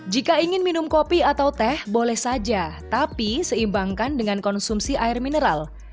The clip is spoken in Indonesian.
jika ingin minum kopi atau teh boleh saja tapi seimbangkan dengan konsumsi air mineral